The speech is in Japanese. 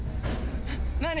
何？